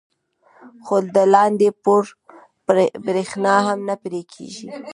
خو د لاندې پوړ برېښنا هم نه پرې کېږي.